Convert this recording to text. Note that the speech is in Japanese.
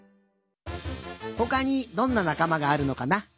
ほかにどんななかまがあるのかな？